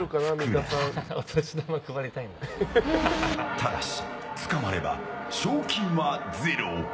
ただし捕まれば賞金はゼロ。